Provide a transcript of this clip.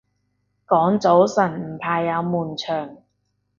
講早晨唔怕有悶場